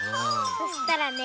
そしたらね